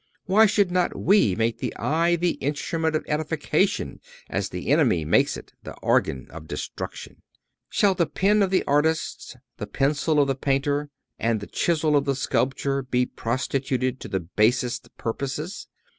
Why should not we make the eye the instrument of edification as the enemy makes it the organ of destruction? Shall the pen of the artist, the pencil of the painter and the chisel of the sculptor be prostituted to the basest purposes?